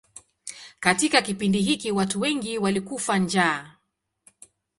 Katika kipindi hiki watu wengi walikufa njaa.